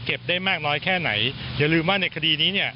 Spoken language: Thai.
ได้มากน้อยแค่ไหนอย่าลืมว่าในคดีนี้เนี่ย